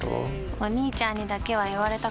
お兄ちゃんにだけは言われたくないし。